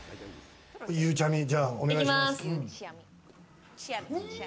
ゆうちゃみ、じゃあお願いします。